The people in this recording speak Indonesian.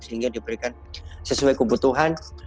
sehingga diberikan sesuai kebutuhan